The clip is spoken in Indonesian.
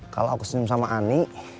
kalau aku senyum sama ani